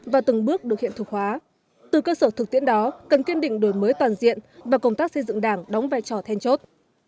và từng bước được hiện thực hóa từ cơ sở thực tiễn đó cần kiên định đổi mới toàn diện và công tác xây dựng đảng đóng vai trò then chốt